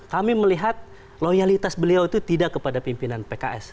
kami melihat loyalitas beliau itu tidak kepada pimpinan pks